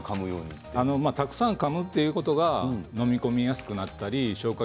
たくさんかむと飲み込みやすくなったり消化